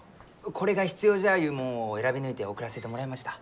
これが必要じゃゆうもんを選び抜いて送らせてもらいました。